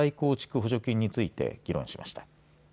補助金について議論しました。